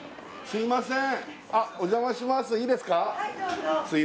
すいません